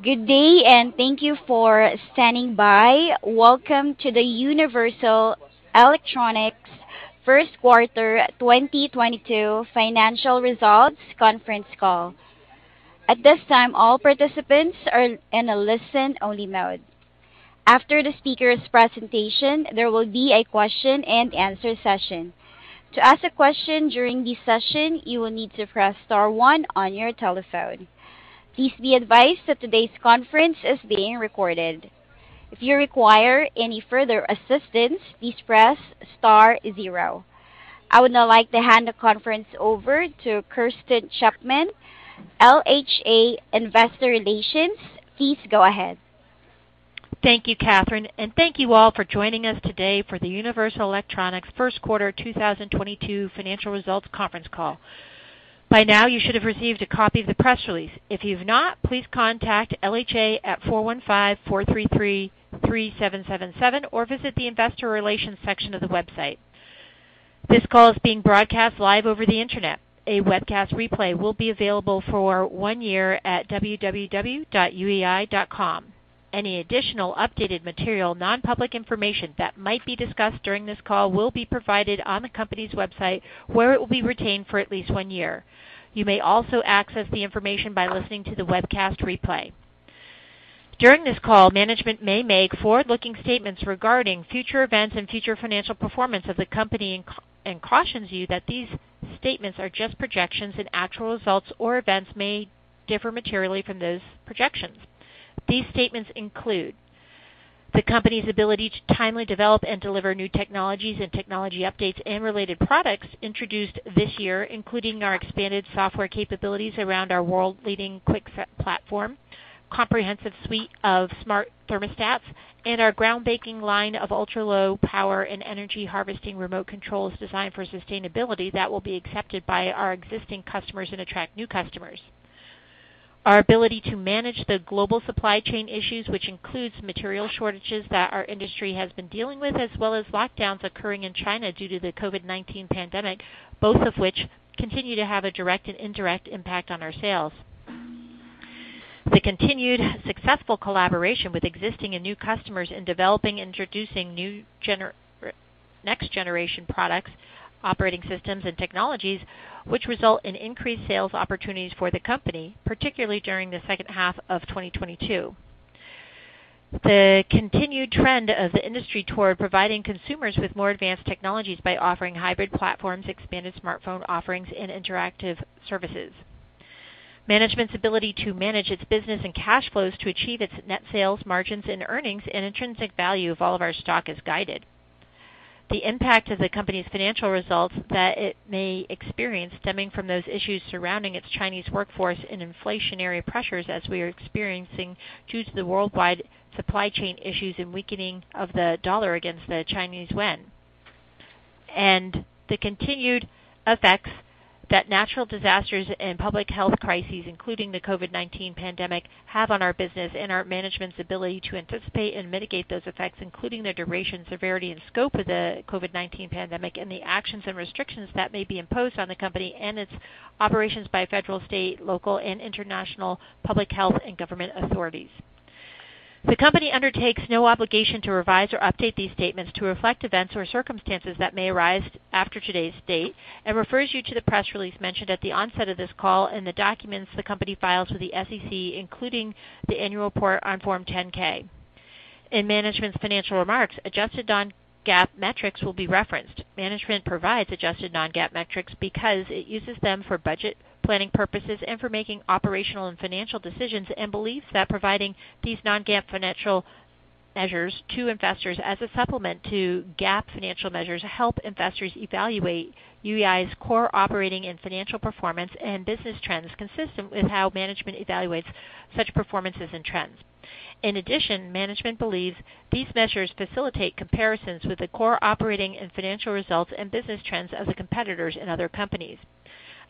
Good day, and thank you for standing by. Welcome to the Universal Electronics first quarter 2022 financial results conference call. At this time, all participants are in a listen-only mode. After the speaker's presentation, there will be a question-and-answer session. To ask a question during this session, you will need to press star one on your telephone. Please be advised that today's conference is being recorded. If you require any further assistance, please press star zero. I would now like to hand the conference over to Kirsten Chapman, LHA Investor Relations. Please go ahead. Thank you, Catherine, and thank you all for joining us today for the Universal Electronics first quarter 2022 financial results conference call. By now, you should have received a copy of the press release. If you've not, please contact LHA at 415-433-3777 or visit the investor relations section of the website. This call is being broadcast live over the internet. A webcast replay will be available for one year at www.uei.com. Any additional updated material, non-public information that might be discussed during this call will be provided on the company's website, where it will be retained for at least one year. You may also access the information by listening to the webcast replay. During this call, management may make forward-looking statements regarding future events and future financial performance of the company and cautions you that these statements are just projections and actual results or events may differ materially from those projections. These statements include the company's ability to timely develop and deliver new technologies and technology updates and related products introduced this year, including our expanded software capabilities around our world-leading QuickSet platform, comprehensive suite of smart thermostats, and our groundbreaking line of ultra-low-power and energy-harvesting remote controls designed for sustainability that will be accepted by our existing customers and attract new customers. Our ability to manage the global supply chain issues, which includes material shortages that our industry has been dealing with, as well as lockdowns occurring in China due to the COVID-19 pandemic, both of which continue to have a direct and indirect impact on our sales. The continued successful collaboration with existing and new customers in developing and introducing next-generation products, operating systems, and technologies, which result in increased sales opportunities for the company, particularly during the second half of 2022. The continued trend of the industry toward providing consumers with more advanced technologies by offering hybrid platforms, expanded smartphone offerings, and interactive services. Management's ability to manage its business and cash flows to achieve its net sales margins and earnings and intrinsic value of all of our stock as guided. The impact of the company's financial results that it may experience stemming from those issues surrounding its Chinese workforce and inflationary pressures as we are experiencing due to the worldwide supply chain issues and weakening of the dollar against the Chinese yuan. The continued effects that natural disasters and public health crises, including the COVID-19 pandemic, have on our business and our management's ability to anticipate and mitigate those effects, including the duration, severity, and scope of the COVID-19 pandemic and the actions and restrictions that may be imposed on the company and its operations by federal, state, local, and international public health and government authorities. The company undertakes no obligation to revise or update these statements to reflect events or circumstances that may arise after today's date and refers you to the press release mentioned at the onset of this call and the documents the company files with the SEC, including the annual report on Form 10-K. In management's financial remarks, adjusted non-GAAP metrics will be referenced. Management provides adjusted non-GAAP metrics because it uses them for budget planning purposes and for making operational and financial decisions and believes that providing these non-GAAP financial measures to investors as a supplement to GAAP financial measures help investors evaluate UEI's core operating and financial performance and business trends consistent with how management evaluates such performances and trends. In addition, management believes these measures facilitate comparisons with the core operating and financial results and business trends of the competitors in other companies.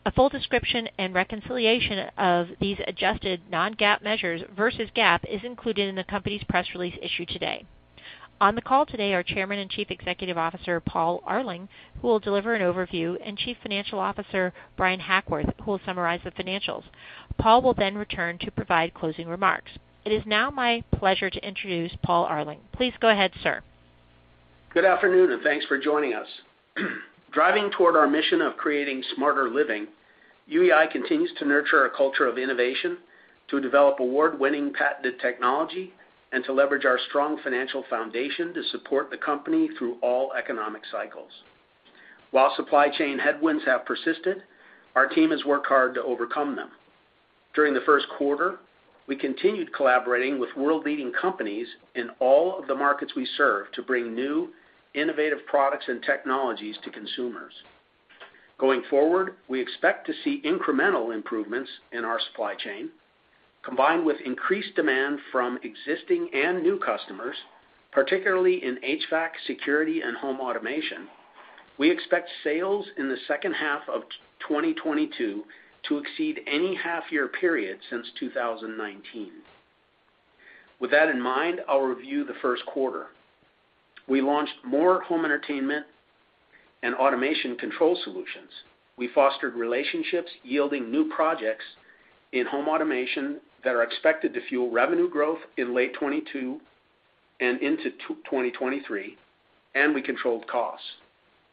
A full description and reconciliation of these adjusted non-GAAP measures versus GAAP is included in the company's press release issued today. On the call today are Chairman and Chief Executive Officer, Paul Arling, who will deliver an overview, and Chief Financial Officer, Bryan Hackworth, who will summarize the financials. Paul will then return to provide closing remarks. It is now my pleasure to introduce Paul Arling. Please go ahead, sir. Good afternoon, and thanks for joining us. Driving toward our mission of creating smarter living, UEI continues to nurture a culture of innovation, to develop award-winning patented technology, and to leverage our strong financial foundation to support the company through all economic cycles. While supply chain headwinds have persisted, our team has worked hard to overcome them. During the first quarter, we continued collaborating with world-leading companies in all of the markets we serve to bring new, innovative products and technologies to consumers. Going forward, we expect to see incremental improvements in our supply chain. Combined with increased demand from existing and new customers, particularly in HVAC, security, and home automation, we expect sales in the second half of 2022 to exceed any half-year period since 2019. With that in mind, I'll review the first quarter. We launched more home entertainment and automation control solutions. We fostered relationships yielding new projects in home automation that are expected to fuel revenue growth in late 2022 and into 2023, and we controlled costs.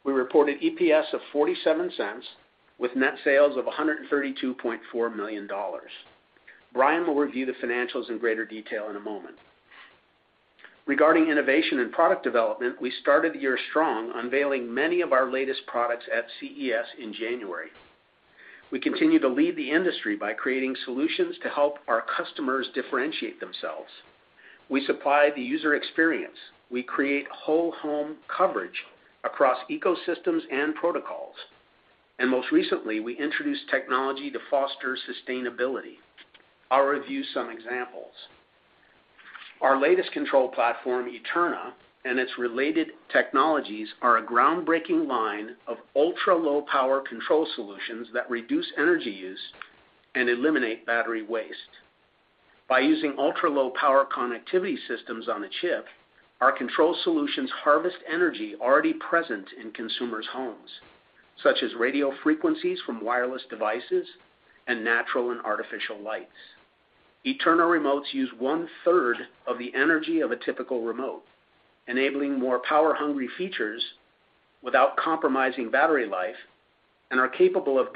We reported EPS of $0.47 with net sales of $132.4 million. Bryan will review the financials in greater detail in a moment. Regarding innovation and product development, we started the year strong, unveiling many of our latest products at CES in January. We continue to lead the industry by creating solutions to help our customers differentiate themselves. We supply the user experience. We create whole-home coverage across ecosystems and protocols. Most recently, we introduced technology to foster sustainability. I'll review some examples. Our latest control platform, Eterna, and its related technologies are a groundbreaking line of ultra-low-power control solutions that reduce energy use and eliminate battery waste. By using ultra-low-power connectivity system-on-a-chip, our control solutions harvest energy already present in consumers' homes, such as radio frequencies from wireless devices and natural and artificial lights. Eterna remotes use one-third of the energy of a typical remote, enabling more power-hungry features without compromising battery life and are capable of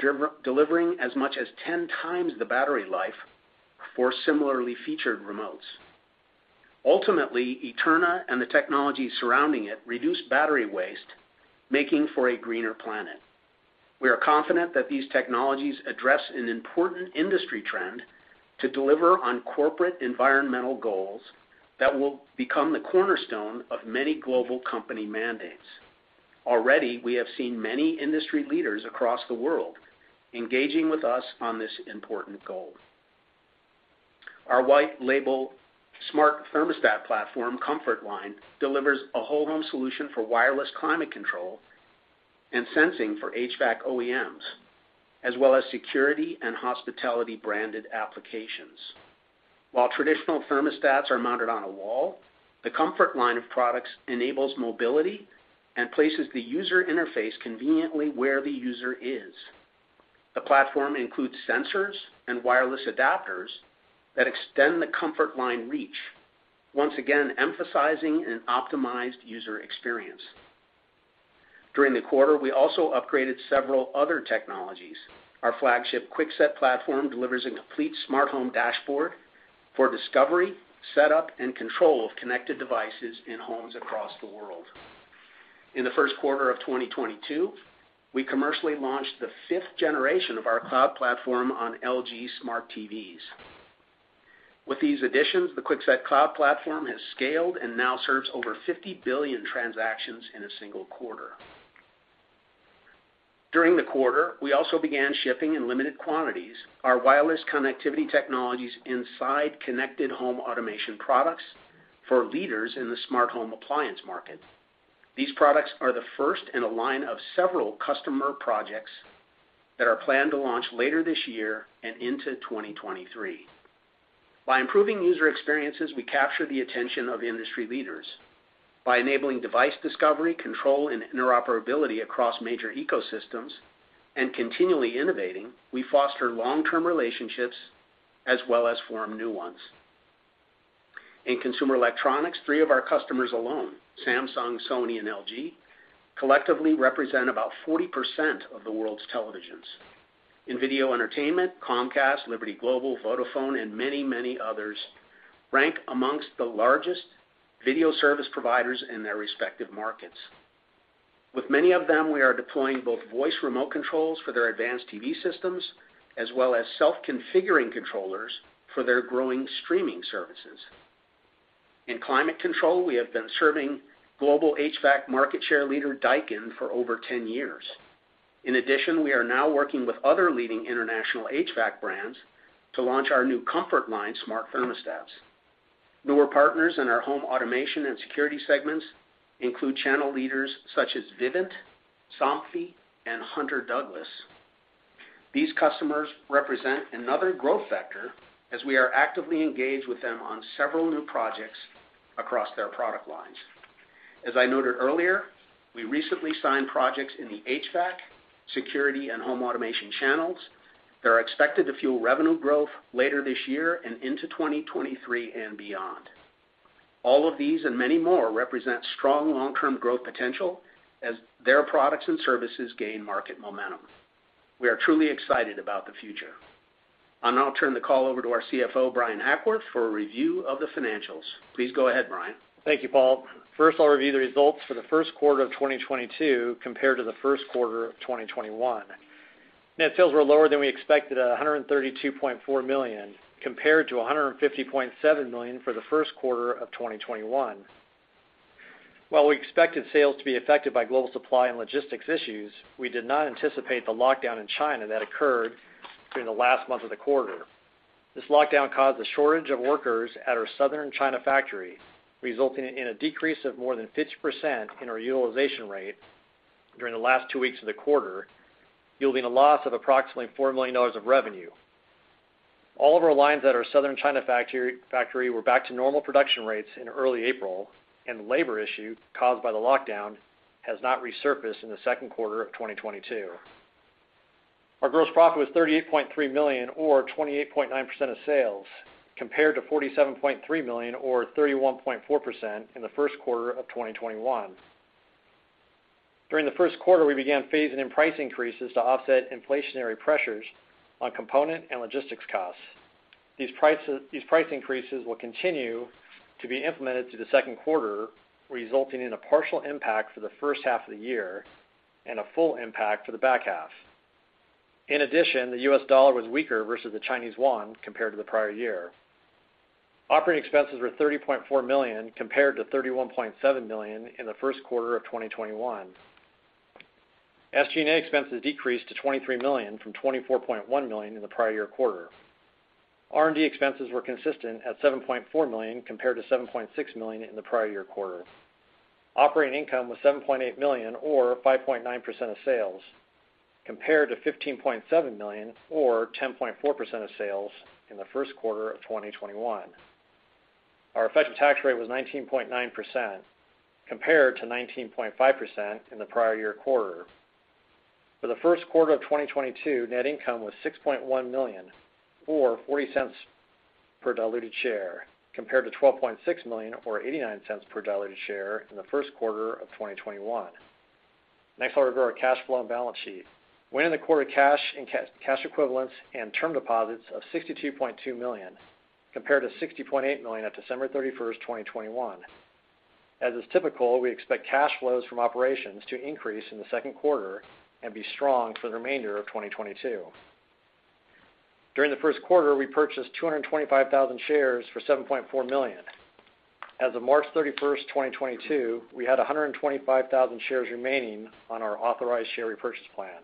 delivering as much as 10 times the battery life for similarly featured remotes. Ultimately, Eterna and the technology surrounding it reduce battery waste, making for a greener planet. We are confident that these technologies address an important industry trend to deliver on corporate environmental goals that will become the cornerstone of many global company mandates. Already, we have seen many industry leaders across the world engaging with us on this important goal. Our white-label smart thermostat platform, Comfort Line, delivers a whole-home solution for wireless climate control and sensing for HVAC OEMs, as well as security and hospitality branded applications. While traditional thermostats are mounted on a wall, the Comfort Line of products enables mobility and places the user interface conveniently where the user is. The platform includes sensors and wireless adapters that extend the Comfort Line reach, once again emphasizing an optimized user experience. During the quarter, we also upgraded several other technologies. Our flagship QuickSet platform delivers a complete smart home dashboard for discovery, setup, and control of connected devices in homes across the world. In the first quarter of 2022, we commercially launched the 5th generation of our Cloud platform on LG Smart TVs. With these additions, the QuickSet Cloud platform has scaled and now serves over 50 billion transactions in a single quarter. During the quarter, we also began shipping in limited quantities our wireless connectivity technologies inside connected home automation products for leaders in the smart home appliance market. These products are the first in a line of several customer projects that are planned to launch later this year and into 2023. By improving user experiences, we capture the attention of industry leaders. By enabling device discovery, control, and interoperability across major ecosystems and continually innovating, we foster long-term relationships as well as form new ones. In consumer electronics, three of our customers alone, Samsung, Sony, and LG, collectively represent about 40% of the world's televisions. In video entertainment, Comcast, Liberty Global, Vodafone, and many, many others rank among the largest video service providers in their respective markets. With many of them, we are deploying both voice remote controls for their advanced TV systems, as well as self-configuring controllers for their growing streaming services. In climate control, we have been serving global HVAC market share leader Daikin for over 10 years. In addition, we are now working with other leading international HVAC brands to launch our new Comfort Line smart thermostats. Newer partners in our home automation and security segments include channel leaders such as Vivint, Somfy, and Hunter Douglas. These customers represent another growth vector as we are actively engaged with them on several new projects across their product lines. As I noted earlier, we recently signed projects in the HVAC, security, and home automation channels that are expected to fuel revenue growth later this year and into 2023 and beyond. All of these and many more represent strong long-term growth potential as their products and services gain market momentum. We are truly excited about the future. I'll now turn the call over to our CFO, Bryan Hackworth, for a review of the financials. Please go ahead, Bryan. Thank you, Paul. First, I'll review the results for the first quarter of 2022 compared to the first quarter of 2021. Net sales were lower than we expected at $132.4 million, compared to $150.7 million for the first quarter of 2021. While we expected sales to be affected by global supply and logistics issues, we did not anticipate the lockdown in China that occurred during the last month of the quarter. This lockdown caused a shortage of workers at our southern China factory, resulting in a decrease of more than 50% in our utilization rate. During the last two weeks of the quarter, yielding a loss of approximately $4 million of revenue. All of our lines at our southern China factory were back to normal production rates in early April, and the labor issue caused by the lockdown has not resurfaced in the second quarter of 2022. Our gross profit was $38.3 million or 28.9% of sales, compared to $47.3 million or 31.4% in the first quarter of 2021. During the first quarter, we began phasing in price increases to offset inflationary pressures on component and logistics costs. These price increases will continue to be implemented through the second quarter, resulting in a partial impact for the first half of the year and a full impact for the back half. In addition, the U.S. dollar was weaker versus the Chinese yuan compared to the prior year. Operating expenses were $30.4 million compared to $31.7 million in the first quarter of 2021. SG&A expenses decreased to $23 million from $24.1 million in the prior year quarter. R&D expenses were consistent at $7.4 million compared to $7.6 million in the prior year quarter. Operating income was $7.8 million or 5.9% of sales, compared to $15.7 million or 10.4% of sales in the first quarter of 2021. Our effective tax rate was 19.9% compared to 19.5% in the prior year quarter. For the first quarter of 2022, net income was $6.1 million or $0.40 per diluted share, compared to $12.6 million or $0.89 per diluted share in the first quarter of 2021. Next, I'll go over our cash flow and balance sheet. We ended the quarter with cash and cash equivalents and term deposits of $62.2 million, compared to $60.8 million at December 31, 2021. As is typical, we expect cash flows from operations to increase in the second quarter and be strong for the remainder of 2022. During the first quarter, we purchased 225,000 shares for $7.4 million. As of March 31, 2022, we had 125,000 shares remaining on our authorized share repurchase plan.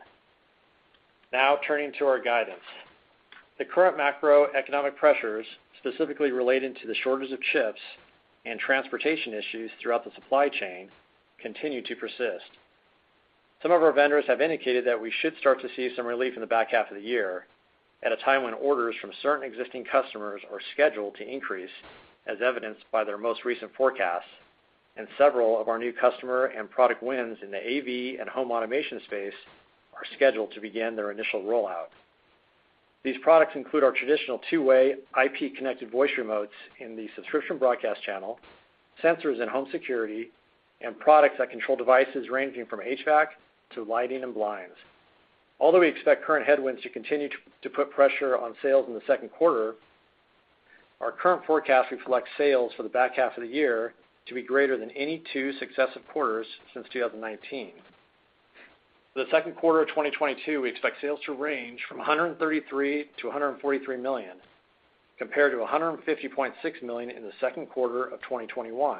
Now turning to our guidance. The current macroeconomic pressures, specifically relating to the shortage of chips and transportation issues throughout the supply chain, continue to persist. Some of our vendors have indicated that we should start to see some relief in the back half of the year, at a time when orders from certain existing customers are scheduled to increase, as evidenced by their most recent forecasts, and several of our new customer and product wins in the AV and home automation space are scheduled to begin their initial rollout. These products include our traditional two-way IP-connected voice remotes in the subscription broadcast channel, sensors in home security, and products that control devices ranging from HVAC to lighting and blinds. Although we expect current headwinds to continue to put pressure on sales in the second quarter, our current forecast reflects sales for the back half of the year to be greater than any two successive quarters since 2019. For the second quarter of 2022, we expect sales to range from $133 million-$143 million, compared to $150.6 million in the second quarter of 2021.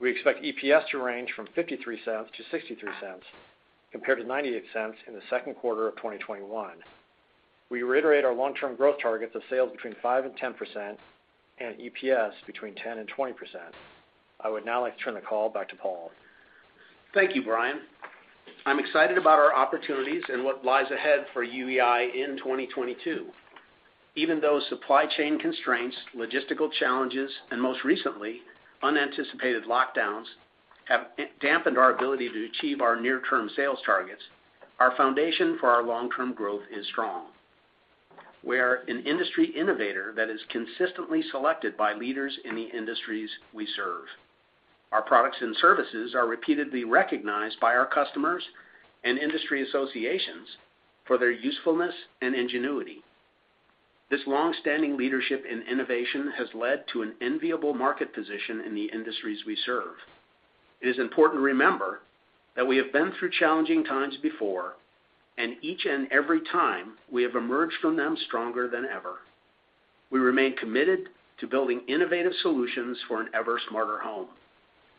We expect EPS to range from $0.53-$0.63, compared to $0.98 in the second quarter of 2021. We reiterate our long-term growth targets of sales between 5%-10% and EPS between 10%-20%. I would now like to turn the call back to Paul. Thank you, Bryan. I'm excited about our opportunities and what lies ahead for UEI in 2022. Even though supply chain constraints, logistical challenges, and most recently, unanticipated lockdowns, have dampened our ability to achieve our near-term sales targets, our foundation for our long-term growth is strong. We're an industry innovator that is consistently selected by leaders in the industries we serve. Our products and services are repeatedly recognized by our customers and industry associations for their usefulness and ingenuity. This long-standing leadership and innovation has led to an enviable market position in the industries we serve. It is important to remember that we have been through challenging times before, and each and every time, we have emerged from them stronger than ever. We remain committed to building innovative solutions for an ever-smarter home.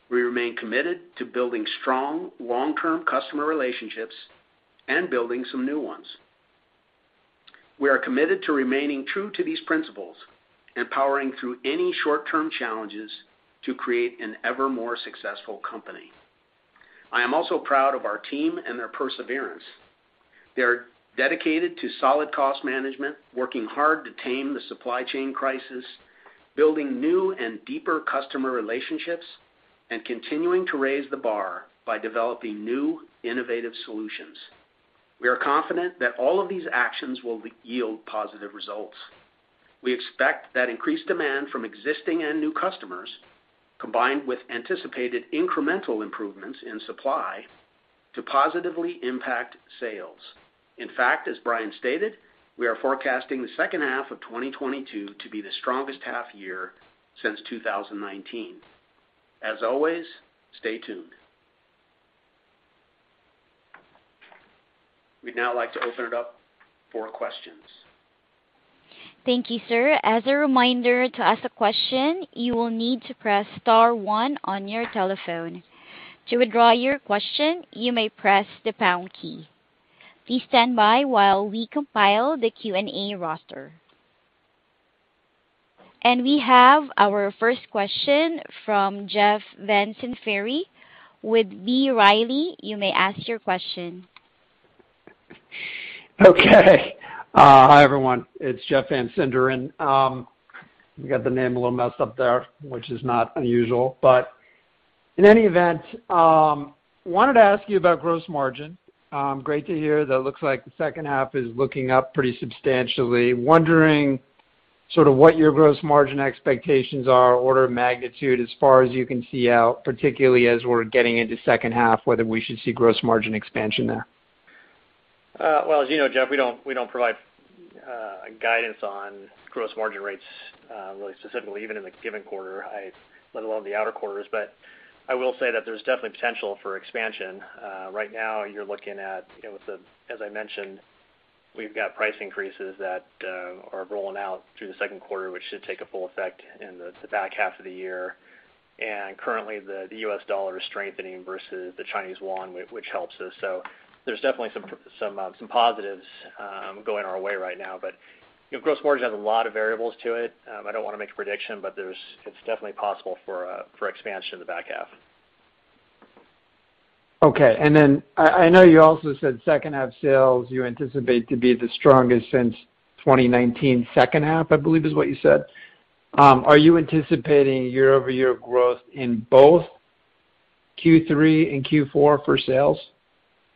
We remain committed to building strong, long-term customer relationships and building some new ones. We are committed to remaining true to these principles and powering through any short-term challenges to create an ever more successful company. I am also proud of our team and their perseverance. They are dedicated to solid cost management, working hard to tame the supply chain crisis, building new and deeper customer relationships, and continuing to raise the bar by developing new, innovative solutions. We are confident that all of these actions will yield positive results. We expect that increased demand from existing and new customers, combined with anticipated incremental improvements in supply, to positively impact sales. In fact, as Bryan stated, we are forecasting the second half of 2022 to be the strongest half year since 2019. As always, stay tuned. We'd now like to open it up for questions. Thank you, sir. As a reminder, to ask a question, you will need to press star one on your telephone. To withdraw your question, you may press the pound key. Please stand by while we compile the Q&A roster. We have our first question from Jeff Van Sinderen with B. Riley. You may ask your question. Okay. Hi, everyone. It's Jeff Van Sinderen. You got the name a little messed up there, which is not unusual. In any event, wanted to ask you about gross margin. Great to hear that it looks like the second half is looking up pretty substantially. Wondering sort of what your gross margin expectations are, order of magnitude as far as you can see out, particularly as we're getting into second half, whether we should see gross margin expansion there. Well, as you know, Jeff, we don't provide guidance on gross margin rates really specifically even in a given quarter, let alone the outer quarters. I will say that there's definitely potential for expansion. Right now you're looking at, you know, as I mentioned, we've got price increases that are rolling out through the second quarter, which should take a full effect in the back half of the year. Currently the U.S. dollar is strengthening versus the Chinese yuan, which helps us. There's definitely some positives going our way right now. You know, gross margins has a lot of variables to it. I don't wanna make a prediction, but it's definitely possible for expansion in the back half. Okay. I know you also said second half sales you anticipate to be the strongest since 2019 second half, I believe is what you said. Are you anticipating year-over-year growth in both Q3 and Q4 for sales?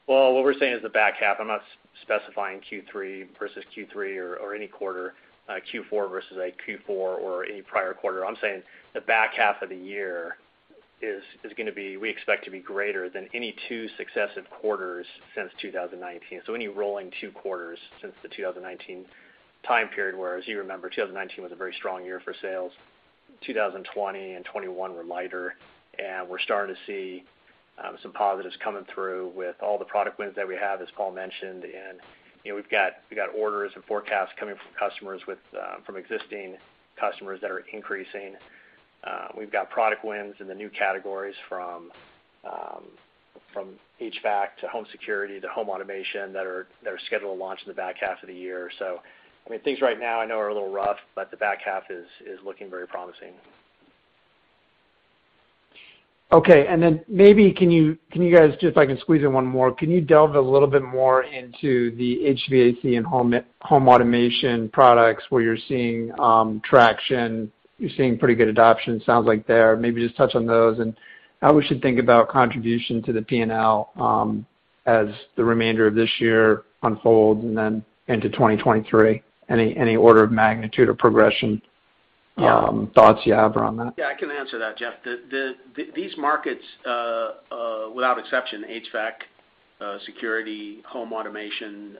Well, what we're saying is the back half. I'm not specifying Q3 versus Q3 or any quarter, Q4 versus a Q4 or any prior quarter. I'm saying the back half of the year is gonna be. We expect to be greater than any two successive quarters since 2019. Any rolling two quarters since the 2019 time period, whereas you remember, 2019 was a very strong year for sales. 2020 and 2021 were lighter, and we're starting to see some positives coming through with all the product wins that we have, as Paul mentioned. You know, we've got orders and forecasts coming from customers from existing customers that are increasing. We've got product wins in the new categories from HVAC to home security to home automation that are scheduled to launch in the back half of the year. I mean, things right now I know are a little rough, but the back half is looking very promising. Okay. Then maybe can you guys, just if I can squeeze in one more, can you delve a little bit more into the HVAC and home automation products where you're seeing traction, you're seeing pretty good adoption, it sounds like there. Maybe just touch on those and how we should think about contribution to the P&L as the remainder of this year unfolds and then into 2023. Any order of magnitude or progression thoughts you have around that? Yeah, I can answer that, Jeff. These markets, without exception, HVAC, security, home automation,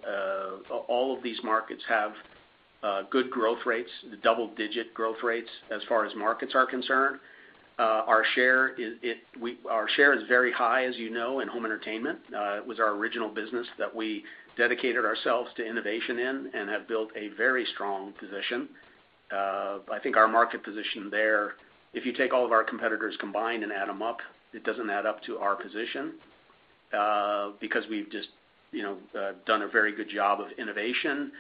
all of these markets have good growth rates, double-digit growth rates as far as markets are concerned. Our share is very high, as you know, in home entertainment. It was our original business that we dedicated ourselves to innovation in and have built a very strong position. I think our market position there, if you take all of our competitors combined and add them up, it doesn't add up to our position, because we've just, you know, done a very good job of innovation,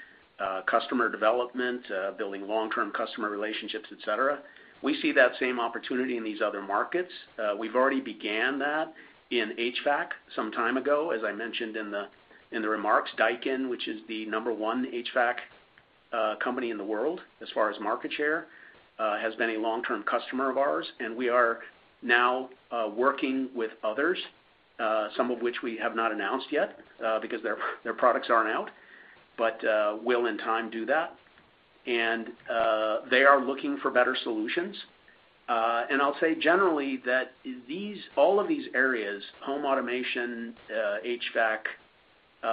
customer development, building long-term customer relationships, et cetera. We see that same opportunity in these other markets. We've already began that in HVAC some time ago. As I mentioned in the remarks, Daikin, which is the number one HVAC company in the world as far as market share, has been a long-term customer of ours, and we are now working with others, some of which we have not announced yet, because their products aren't out, but will in time do that. They are looking for better solutions. I'll say generally that all of these areas, home automation, HVAC,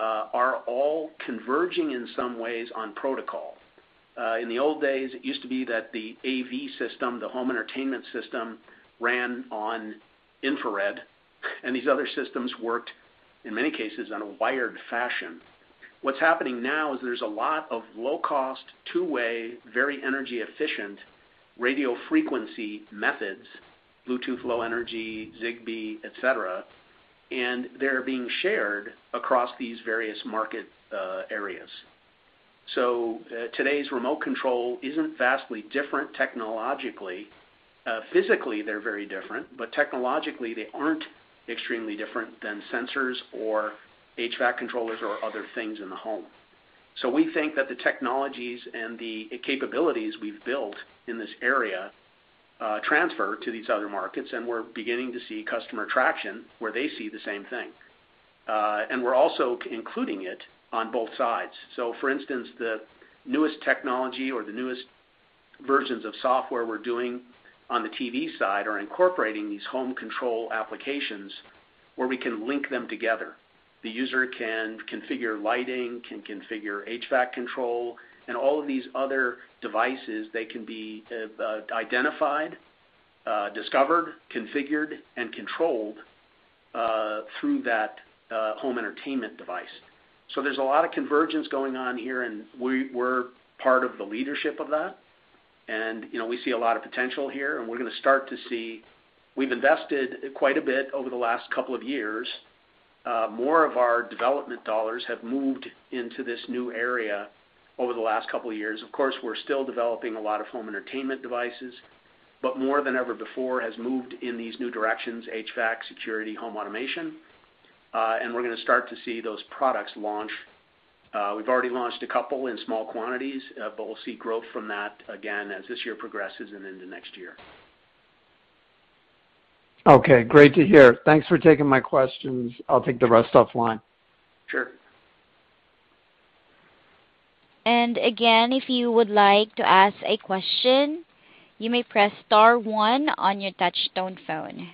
are all converging in some ways on protocol. In the old days, it used to be that the AV system, the home entertainment system, ran on infrared, and these other systems worked, in many cases, on a wired fashion. What's happening now is there's a lot of low-cost, two-way, very energy efficient radio frequency methods, Bluetooth Low Energy, Zigbee, et cetera, and they're being shared across these various market areas. Today's remote control isn't vastly different technologically. Physically, they're very different, but technologically they aren't extremely different than sensors or HVAC controllers or other things in the home. We think that the technologies and the capabilities we've built in this area transfer to these other markets, and we're beginning to see customer traction where they see the same thing. We're also including it on both sides. For instance, the newest technology or the newest versions of software we're doing on the TV side are incorporating these home control applications where we can link them together. The user can configure lighting, can configure HVAC control, and all of these other devices, they can be identified, discovered, configured, and controlled through that home entertainment device. There's a lot of convergence going on here, and we're part of the leadership of that. You know, we see a lot of potential here, and we're gonna start to see. We've invested quite a bit over the last couple of years. More of our development dollars have moved into this new area over the last couple of years. Of course, we're still developing a lot of home entertainment devices, but more than ever before has moved in these new directions, HVAC, security, home automation, and we're gonna start to see those products launch. We've already launched a couple in small quantities, but we'll see growth from that again as this year progresses and into next year. Okay, great to hear. Thanks for taking my questions. I'll take the rest offline. Sure. Again, if you would like to ask a question, you may press star one on your touch tone phone.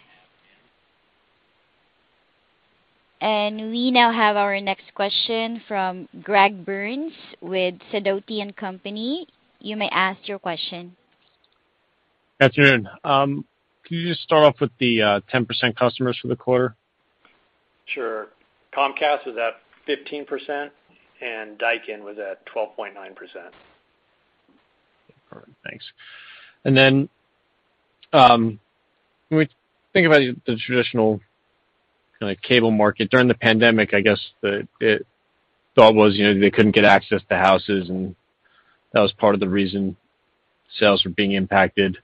We now have our next question from Greg Burns with Sidoti & Company. You may ask your question. Afternoon. Can you just start off with the 10% customers for the quarter? Sure. Comcast was at 15% and Daikin was at 12.9%. All right. Thanks. When we think about the traditional kinda cable market during the pandemic, I guess the thought was, you know, they couldn't get access to houses, and that was part of the reason sales were being impacted.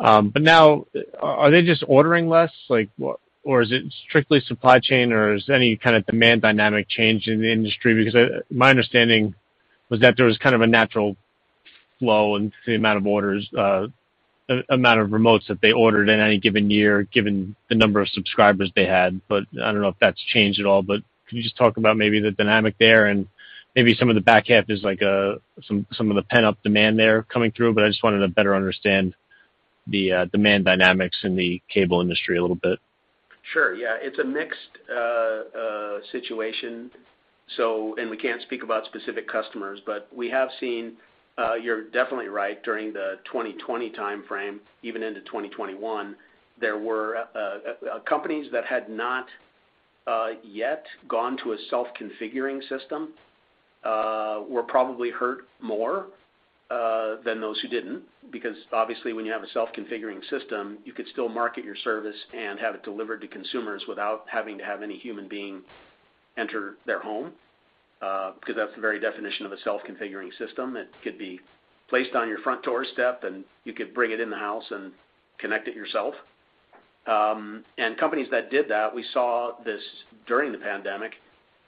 Now are they just ordering less? Like, what or is it strictly supply chain or is any kinda demand dynamic change in the industry? Because my understanding was that there was kind of a natural flow in the amount of orders, amount of remotes that they ordered in any given year, given the number of subscribers they had. I don't know if that's changed at all. Can you just talk about maybe the dynamic there and maybe some of the back half is like, some of the pent-up demand there coming through. I just wanted to better understand the demand dynamics in the cable industry a little bit. Sure. Yeah. It's a mixed situation. We can't speak about specific customers, but we have seen. You're definitely right. During the 2020 timeframe, even into 2021, there were companies that had not yet gone to a self-configuring system, were probably hurt more than those who didn't. Because obviously when you have a self-configuring system, you could still market your service and have it delivered to consumers without having to have any human being enter their home, 'cause that's the very definition of a self-configuring system. It could be placed on your front doorstep, and you could bring it in the house and connect it yourself. Companies that did that, we saw this during the pandemic.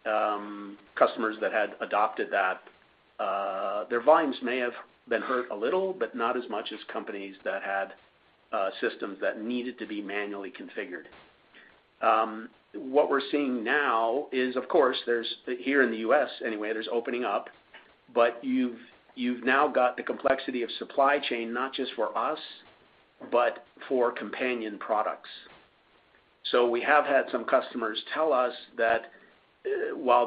Customers that had adopted that, their volumes may have been hurt a little, but not as much as companies that had systems that needed to be manually configured. What we're seeing now is, of course, there's opening up here in the U.S. anyway, but you've now got the complexity of supply chain, not just for us, but for companion products. We have had some customers tell us that while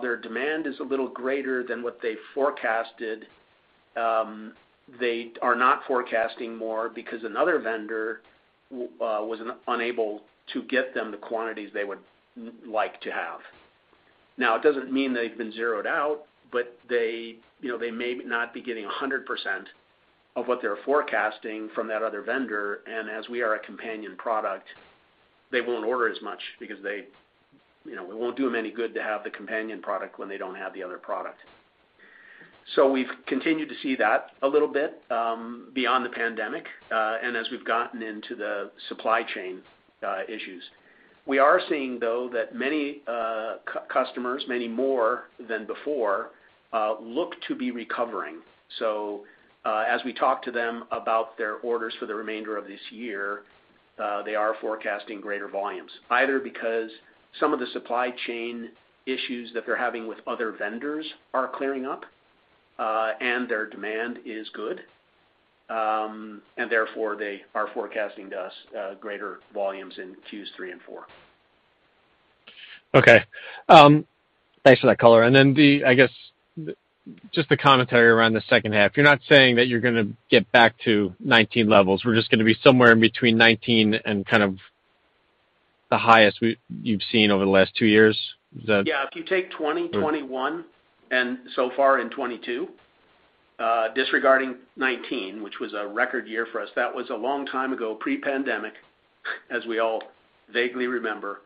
their demand is a little greater than what they forecasted, they are not forecasting more because another vendor was unable to get them the quantities they would like to have. Now, it doesn't mean they've been zeroed out, but they, you know, they may not be getting 100% of what they're forecasting from that other vendor, and as we are a companion product, they won't order as much because they, you know, it won't do them any good to have the companion product when they don't have the other product. We've continued to see that a little bit beyond the pandemic and as we've gotten into the supply chain issues. We are seeing, though, that many customers, many more than before, look to be recovering. As we talk to them about their orders for the remainder of this year, they are forecasting greater volumes, either because some of the supply chain issues that they're having with other vendors are clearing up, and their demand is good, and therefore they are forecasting to us greater volumes in Q3 and Q4. Okay. Thanks for that color. I guess just the commentary around the second half. You're not saying that you're gonna get back to 2019 levels. We're just gonna be somewhere in between 2019 and kind of the highest you've seen over the last two years. Is that? Yeah. If you take 2020, 2021, and so far in 2022, disregarding 2019, which was a record year for us. That was a long time ago, pre-pandemic, as we all vaguely remember.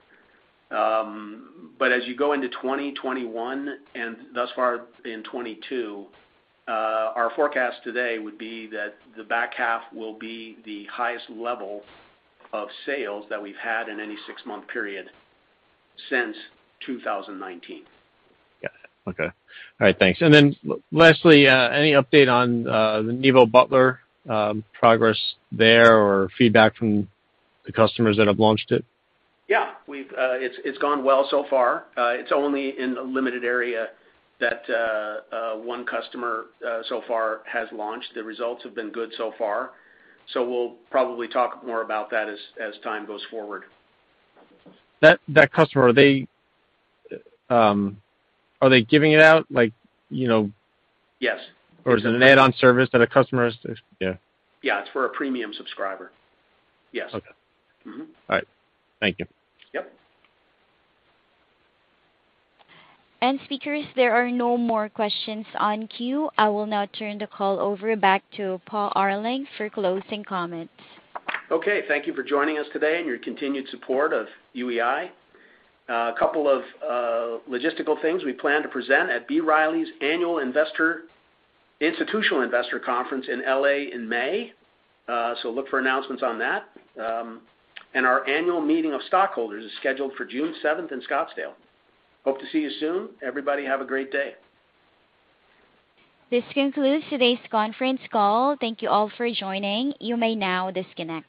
As you go into 2020, 2021 and thus far in 2022, our forecast today would be that the back half will be the highest level of sales that we've had in any six-month period since 2019. Got it. Okay. All right, thanks. Lastly, any update on the Nevo Butler progress there or feedback from the customers that have launched it? Yeah. It's gone well so far. It's only in a limited area that one customer so far has launched. The results have been good so far. We'll probably talk more about that as time goes forward. That customer, are they giving it out like, you know? Yes. Is it an add-on service that a customer is? Yeah. Yeah. It's for a premium subscriber. Yes. Okay. Mm-hmm. All right. Thank you. Yep. Speakers, there are no more questions in the queue. I will now turn the call over to Paul Arling for closing comments. Okay. Thank you for joining us today and your continued support of UEI. A couple of logistical things we plan to present at B. Riley's Annual Institutional Investor Conference in L.A. in May. Look for announcements on that. Our annual meeting of stockholders is scheduled for June 7th in Scottsdale. Hope to see you soon. Everybody, have a great day. This concludes today's conference call. Thank you all for joining. You may now disconnect.